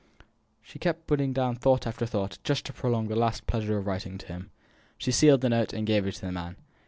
She kept putting down thought after thought, just to prolong the last pleasure of writing to him. She sealed the note, and gave it to the man.